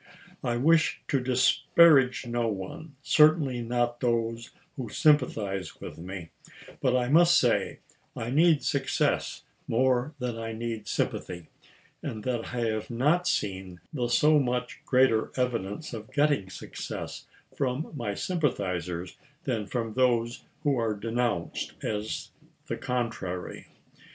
I wish to disparage no one — certainly not those who sympathize with me ; but I must say I need success more than I need sympathy, and that I have not seen the so much greater evidence of getting success from my sympathizers than from those who are denounced as the contrary.